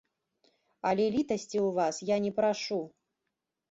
Але літасці ў вас я не прашу!